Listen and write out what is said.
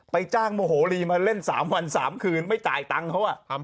จ้างโมโหลีมาเล่น๓วัน๓คืนไม่จ่ายตังค์เขา